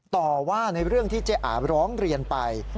ต่อว่าในเรื่องที่เจ๊อาร้องเรียนไป